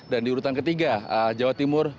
dan di urutan ketiga jawa timur